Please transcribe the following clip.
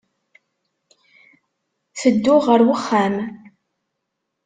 Tedduɣ ɣer uxxam.